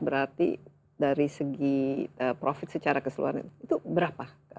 berarti dari segi profit secara keseluruhan itu berapa